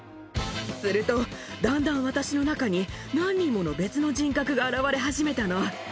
すると、だんだん私の中に何人もの別の人格が現れ始めたの。